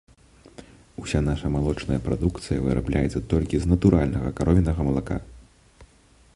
Уся наша малочная прадукцыя вырабляецца толькі з натуральнага каровінага малака.